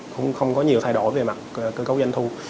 cũng không có nhiều thay đổi về mặt cơ cấu doanh thu